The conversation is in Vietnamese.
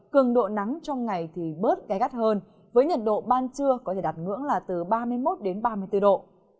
cường độ nắng trong ngày thì bớt gai gắt hơn với nhiệt độ ban trưa có thể đạt ngưỡng là từ ba mươi một đến ba mươi bốn độ